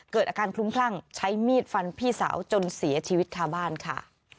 เกิดอาการคลุ้มคลั่งใช้มีดฟันพี่สาวจนเสียชีวิตคาบ้านค่ะ